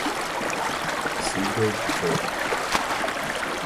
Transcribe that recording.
Sigurd Fr.